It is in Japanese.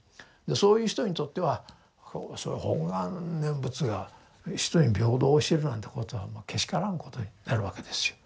そういう人にとっては本願念仏が人に平等を教えるなんてことはけしからんことになるわけですよ。